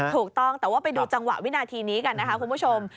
ถูกต้องแต่ว่าไปดูจังหวะวินาทีนี้กันนะคะคุณผู้ชม